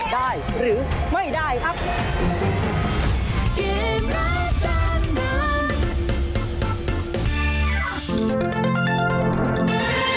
ได้หรือไม่ได้ครับ